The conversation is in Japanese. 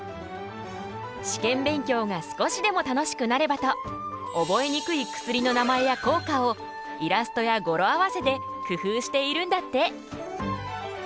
試験勉強が少しでも楽しくなればと覚えにくい薬の名前や効果をイラストや語呂合わせで工夫しているんだって！